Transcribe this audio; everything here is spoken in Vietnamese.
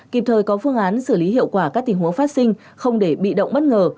kịp thời có phương án xử lý hiệu quả các tình huống phát sinh không để bị động bất ngờ